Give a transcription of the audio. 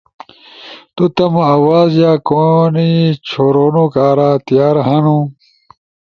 تو تمو آواز یا کون چھورونو کارا تیار ہنو؟